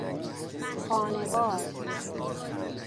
خانه باز